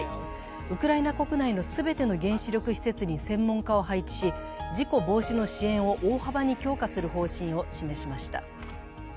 ウクライナ国内の全ての原子力施設に専門家を配置し、事故防止の支援を大幅に強化する方針を示しました。